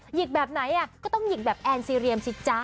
หิกแบบไหนก็ต้องหยิกแบบแอนซีเรียมสิจ๊ะ